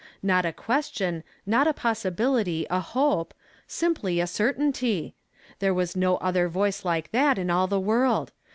Not a question, not a pos sibility, a hope ; simply a certainty ! There was no other voice like that in all the world.